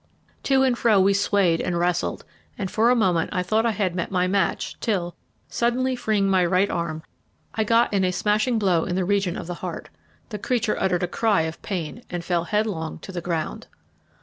To and fro we swayed and wrestled, and for a moment I thought I had met my match till, suddenly freeing my right arm, I got in a smashing blow in the region of the heart. The creature uttered a cry of pain and fell headlong to the ground.